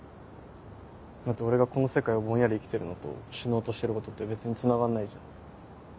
だって俺がこの世界をぼんやり生きてるのと死のうとしてることって別につながんないじゃん。